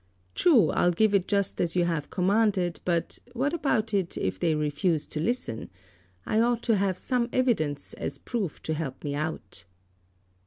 True, I'll give it just as you have commanded, but what about it if they refuse to listen? I ought to have some evidence as proof to help me out."